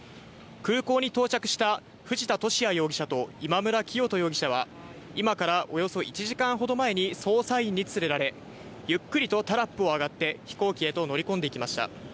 空港に到着した藤田聖也容疑者と今村磨人容疑者は今からおよそ１時間ほど前に捜査員に連れられゆっくりとタラップを上がって飛行機へと乗り込んで行きました。